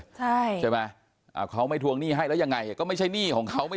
ใช่ไหมอ่าเขาไม่ทวงหนี้ให้แล้วยังไงก็ไม่ใช่หนี้ของเขาไม่